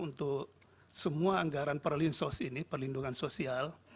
untuk semua anggaran perlinsos ini perlindungan sosial